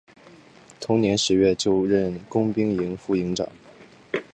同年十月就任工兵营副营长。